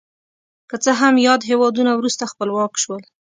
که څه هم یاد هېوادونه وروسته خپلواک شول.